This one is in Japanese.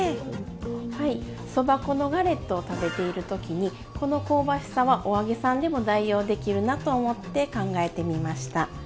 そば粉のガレットを食べている時にこの香ばしさはお揚げさんでも代用できるなと思って考えてみました。